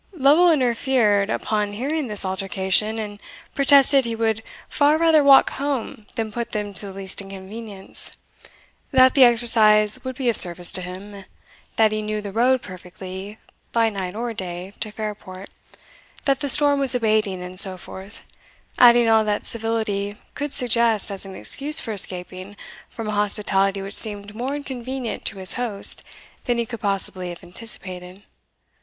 Lovel interfered upon hearing this altercation, and protested he would far rather walk home than put them to the least inconvenience that the exercise would be of service to him that he knew the road perfectly, by night or day, to Fairport that the storm was abating, and so forth adding all that civility could suggest as an excuse for escaping from a hospitality which seemed more inconvenient to his host than he could possibly have anticipated.